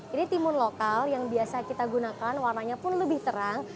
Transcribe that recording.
ini timun lokal yang biasa kita gunakan warnanya pun lebih terang